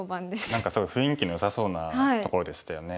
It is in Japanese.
何かすごい雰囲気のよさそうなところでしたよね。